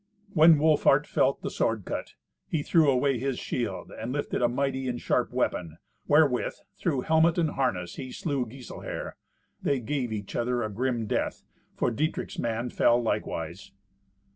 When Wolfhart felt the sword cut, he threw away his shield, and lifted a mighty and sharp weapon, wherewith, through helmet and harness, he slew Giselher. They gave each other a grim death, for Dietrich's man fell likewise.